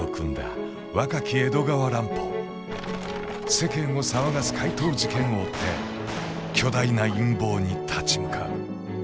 世間を騒がす怪盗事件を追って巨大な陰謀に立ち向かう。